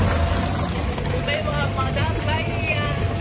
「米はまだかいや！」。